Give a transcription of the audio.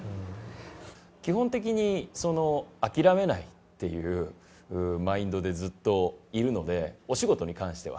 基本的に諦めないっていうマインドでずっといるので、お仕事に関しては。